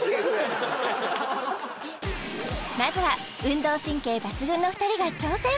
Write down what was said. まずは運動神経抜群の２人が挑戦